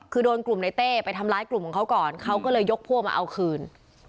คือโดนกลุ่มในเต้ไปทำร้ายกลุ่มของเขาก่อนเขาก็เลยยกพวกมาเอาคืน